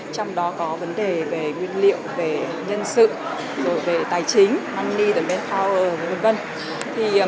trong đó có vấn đề về nguyên liệu về nhân sự về tài chính money demand power v v